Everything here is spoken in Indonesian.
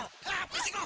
eh mbak apa sih kau